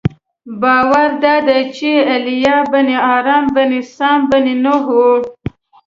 باور دادی چې ایلیا بن ارم بن سام بن نوح و.